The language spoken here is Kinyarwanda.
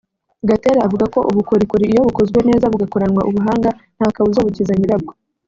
Gatera avuga ko ubukorikori iyo bukozwe neza bugakoranwa ubuhanga nta kabuza bukiza nyirabwo